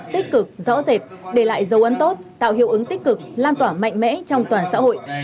tích cực rõ rệt để lại dấu ấn tốt tạo hiệu ứng tích cực lan tỏa mạnh mẽ trong toàn xã hội